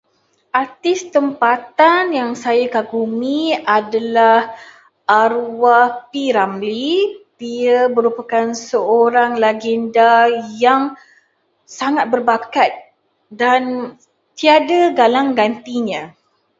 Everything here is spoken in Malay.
Artis tempatan yang saya kagumi adalah arwah P. Ramlee. Dia merupakan seorang legenda yang sangat berbakat dan tiada galang gantinya.